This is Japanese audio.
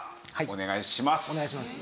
お願いします。